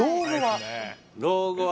老後は？